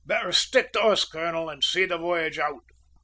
Better stick to us, colonel, and see the voyage out."